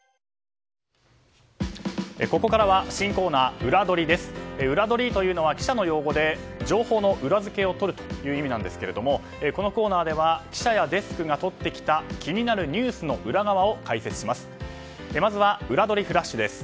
ウラどりというのは記者の用語で情報の裏付けをとるという意味なんですけれどもこのコーナーでは記者やデスクがとってきた気になるニュースの裏側を解説します。